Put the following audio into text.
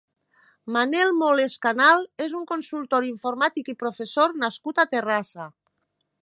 Manel Moles Canal és un consultor informàtic i professor nascut a Terrassa.